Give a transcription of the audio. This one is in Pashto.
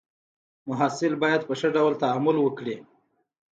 محصل باید په ښه ډول تعامل وکړي.